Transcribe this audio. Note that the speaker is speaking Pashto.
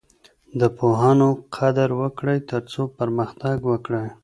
د پوهانو قدر وکړئ ترڅو پرمختګ وکړئ.